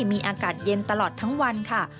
มีอากาศเย็นตลอดทั้งวันค่ะ